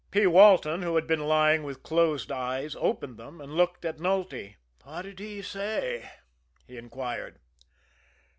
P. Walton, who had been lying with closed eyes, opened them, and looked at Nulty. "What did he say?" he inquired.